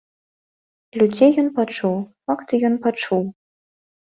Людзей ён пачуў, факты ён пачуў.